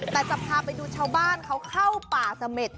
แต่จะพาไปดูชาวบ้านเขาเข้าป่าเสม็ด